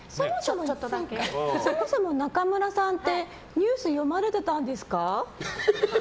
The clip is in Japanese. そもそも中村さんってニュース読まれてたんですか？